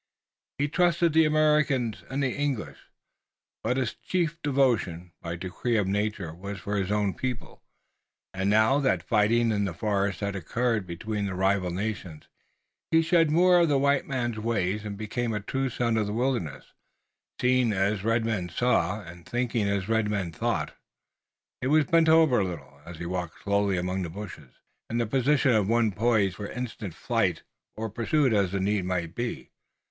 He trusted the Americans and the English, but his chief devotion, by the decree of nature was for his own people, and now, that fighting in the forest had occurred between the rival nations, he shed more of the white ways and became a true son of the wilderness, seeing as red men saw and thinking as red men thought. He was bent over a little, as he walked slowly among the bushes, in the position of one poised for instant flight or pursuit as the need might be.